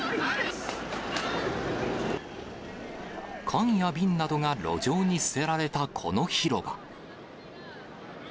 缶や瓶などが路上に捨てられたこの広場。